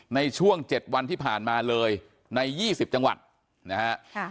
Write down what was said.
ในช่วง๗วันที่ผ่านมาเลยใน๒๐จังหวัดนะฮะ